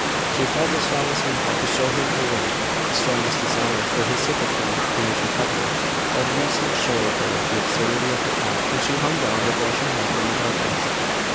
She felt the strongest impulse to show him her ring the strongest desire for his sympathy in its recovery: but an instant showed her the absurdity of the thought, and she hung down her blushing head in the darkness.